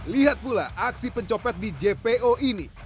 lihat pula aksi pencopet di jpo ini